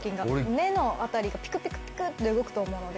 目の辺りがピクピクピクって動くと思うので。